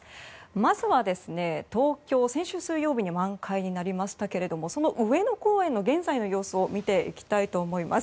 まずは、東京は先週水曜日に満開になりましたがその上野公園の現在の様子を見ていきたいと思います。